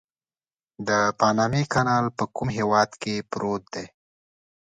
د پانامي کانال په کوم هېواد کې پروت دی؟